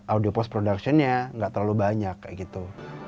audio post productionnya nggak terlalu banyak kayak gitu